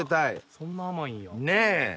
そんな甘いんや。ねぇ！